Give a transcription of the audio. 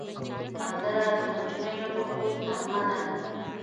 سندره د کوچنیو د خوب نغمه ده